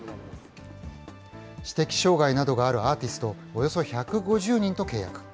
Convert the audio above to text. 知的障害などがあるアーティストおよそ１５０人と契約。